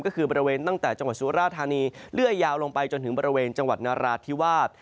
ก็คือบริเวณตั้งแต่จังหวัดสุราธานีเลื่อยยาวลงไปจนถึงบริเวณจังหวัดนราธิวาส